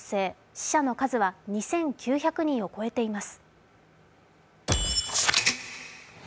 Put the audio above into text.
死者の数は２９００人を超えています。